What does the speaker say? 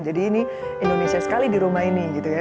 jadi ini indonesia sekali di rumah ini gitu ya